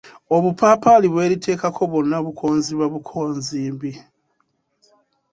Obupaapali bweriteekako bwonna bukozimba bukozimbi.